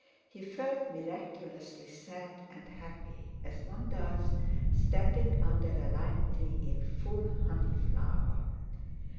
He felt miraculously sad and happy, as one does, standing under a lime tree in full honey flower.